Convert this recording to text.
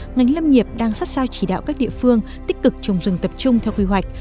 ngành lâm nghiệp đang sát sao chỉ đạo các địa phương tích cực trồng rừng tập trung theo quy hoạch